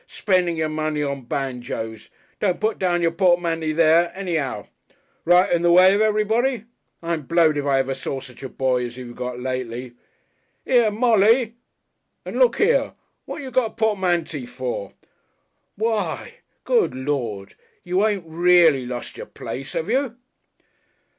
Spendin' your money on banjoes! Don't put down your portmanty there anyhow. Right in the way of everybody. I'm blowed if ever I saw such a boy as you've got lately. Here! Molly! And, look here! What you got a portmanty for? Why! Goo lord! You ain't really lost your place, 'ave you?"